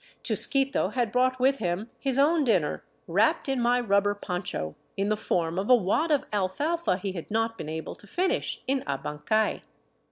Chusquito had brought with him his own dinner wrapped in my rubber poncho, in the form of a wad of alfalfa he had not been able to finish in Abancay.